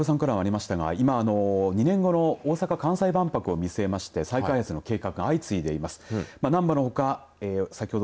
小籔さんからもありましたが２年後の大阪・関西万博を見据えまして再開発の計画が相次いでいます。